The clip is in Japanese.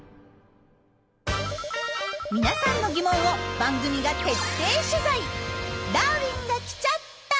皆さんの疑問を番組が徹底取材。